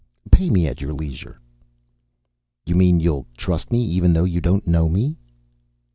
"Pay me at your leisure." "You mean you'll trust me, even though you don't know me?"